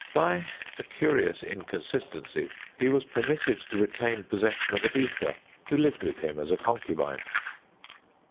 By a curious inconsistency, he was permitted to retain possession of Editha, who lived with him as a concubine.